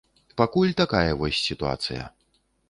Пакуль такая вось сітуацыя.